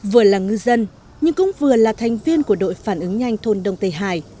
vừa là ngư dân nhưng cũng vừa là thành viên của đội phản ứng nhanh thôn đông tây hải